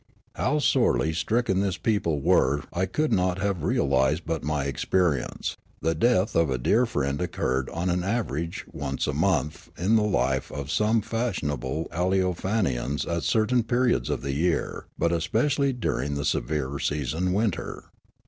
How sorely stricken this people were I could not have realised but by my experience ; the death of a dear friend occurred on an average once a month in the life of some fashion able Aleofanians at certain periods of the year, but especially during the severe season, winter.